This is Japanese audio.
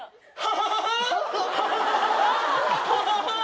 ハハハハッ！